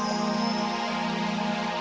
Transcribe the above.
terima kasih tuhan